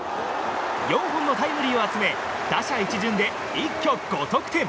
４本のタイムリーを集め打者一巡で一挙５得点！